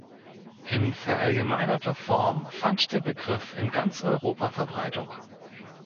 In verallgemeinerter Form fand der Begriff in ganz Europa Verbreitung.